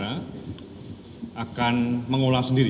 akan mengolah sendiri